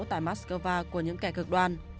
tại moscow của những kẻ cực đoan